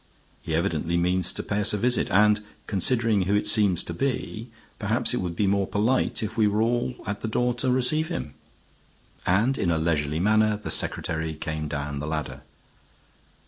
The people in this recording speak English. He evidently means to pay us a visit. And, considering who it seems to be, perhaps it would be more polite if we were all at the door to receive him." And in a leisurely manner the secretary came down the ladder.